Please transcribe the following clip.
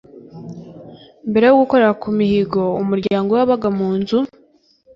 Mbere yo gukorera ku mihigo umuryango we wabaga mu nzu